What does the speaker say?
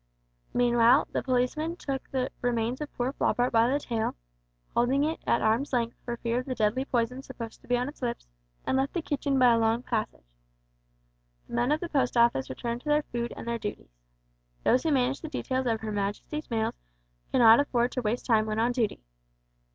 Meanwhile the policeman took the remains of poor Floppart by the tail, holding it at arm's length for fear of the deadly poison supposed to be on its lips; and left the kitchen by a long passage. The men of the Post Office returned to their food and their duties. Those who manage the details of her Majesty's mails cannot afford to waste time when on duty.